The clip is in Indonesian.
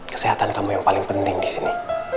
kesehatan kamu yang paling penting di sini